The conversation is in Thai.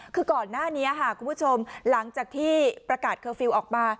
คือก่อนหน้านี้ค่ะคุณผู้ชมหลังจากที่ประกาศเคอร์ฟิลล์ออกมา